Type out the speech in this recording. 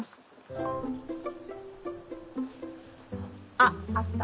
ああった。